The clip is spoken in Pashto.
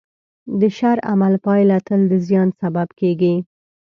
د شر عمل پایله تل د زیان سبب کېږي.